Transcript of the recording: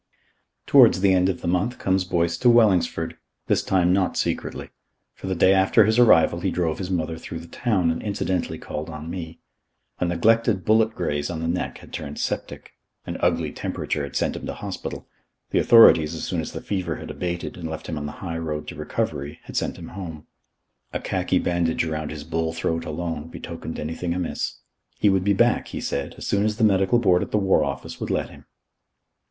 Towards the end of the month comes Boyce to Wellingsford, this time not secretly; for the day after his arrival he drove his mother through the town and incidentally called on me. A neglected bullet graze on the neck had turned septic. An ugly temperature had sent him to hospital. The authorities, as soon as the fever had abated and left him on the high road to recovery, had sent him home. A khaki bandage around his bull throat alone betokened anything amiss. He would be back, he said, as soon as the Medical Board at the War Office would let him.